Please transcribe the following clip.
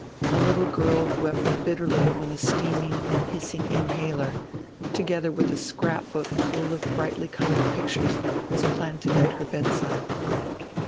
A little girl wept bitterly when the steaming and hissing inhaler, together with a scrapbook full of brightly coloured pictures, was planted at her bedside.